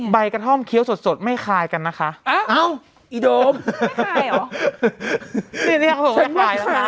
ใบกระท่อมเคี้ยวสดสดไม่คายกันนะคะเอ้าอีโดมไม่คายอ๋อ